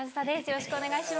よろしくお願いします。